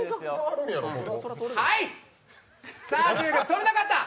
さぁ、取れなかった？